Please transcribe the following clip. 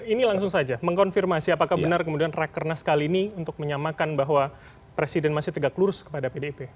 ini langsung saja mengkonfirmasi apakah benar kemudian rakernas kali ini untuk menyamakan bahwa presiden masih tegak lurus kepada pdip